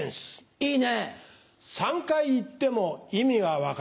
いいね。